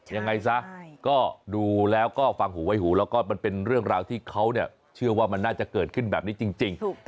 ยังไงซะก็ดูแล้วก็ฟังหูไว้หูแล้วก็มันเป็นเรื่องราวที่เขาเชื่อว่ามันน่าจะเกิดขึ้นแบบนี้จริง